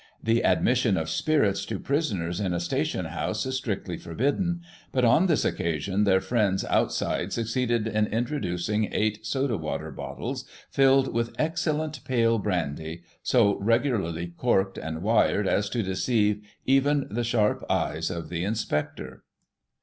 The admission of spirits to prisoners in a station house is strictly forbidden, but, on this occasion, their friends outside succeeded in introducing eight soda water bottles filled with excellent pale brandy, so regularly corked and wired, as to deceive even the sharp eyes of the Inspector.